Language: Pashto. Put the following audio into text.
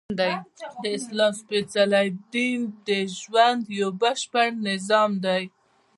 د اسلام سپیڅلی دین د ژوند یؤ بشپړ نظام دی!